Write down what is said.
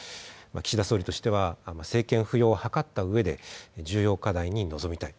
岸田総理としては、政権浮揚を図ったうえで、重要課題に臨みたい。